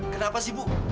kenapa sih bu